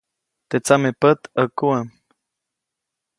Teʼ tsamepät ʼäkuʼam.